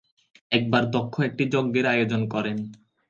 একবার দক্ষ একটি যজ্ঞের আয়োজন করেন।